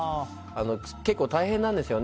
結構、大変なんですよね。